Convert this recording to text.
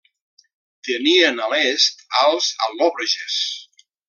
Tenien a l'est als al·lòbroges.